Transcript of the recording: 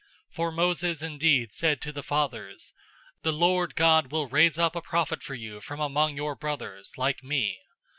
003:022 For Moses indeed said to the fathers, 'The Lord God will raise up a prophet for you from among your brothers, like me.